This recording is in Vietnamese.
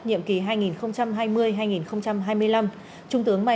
nhiệm kỳ hai nghìn hai mươi hai nghìn hai mươi năm